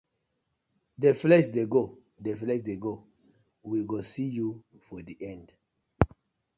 Dey flex dey go, dey flex dey go, we go see yu for di end.